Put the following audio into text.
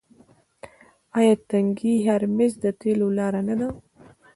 آیا تنګی هرمز د تیلو لاره نه ده؟